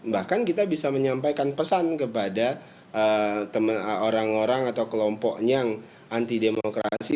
bahkan kita bisa menyampaikan pesan kepada orang orang atau kelompok yang anti demokrasi